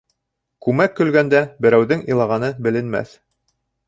Күмәк көлгәндә берәүҙең илағаны беленмәҫ.